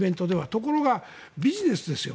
ところが、ビジネスですよ。